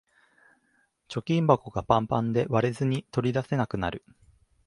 貯金箱がパンパンで割れずに取り出せなくなる